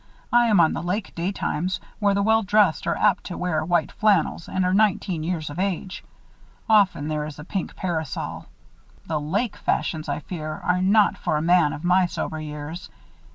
"I am on the lake daytimes, where the well dressed are apt to wear white flannels and are nineteen years of age. Often there is a pink parasol. The lake fashions, I fear, are not for a man of my sober years.